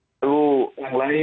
lalu yang lain